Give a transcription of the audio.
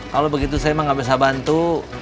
kalau begitu saya mah gak bisa bantu